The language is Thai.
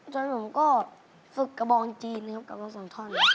ฉันผมก็ฝึกกะบองจีนประกอบสองท่อน